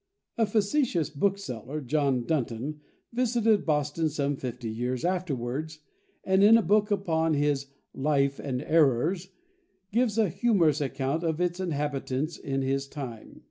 A facetious bookseller, John Dunton, visited Boston some fifty years afterwards; and, in a book upon his "Life and Errors," gives a humorous account of its inhabitants in his time.